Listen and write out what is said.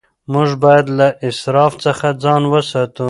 موږ باید له اسراف څخه ځان وساتو.